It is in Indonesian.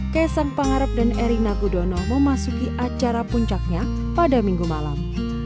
kaisang pangarep dan erina gudono memasuki acara puncaknya pada minggu malam